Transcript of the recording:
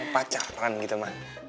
pacaran gitu ma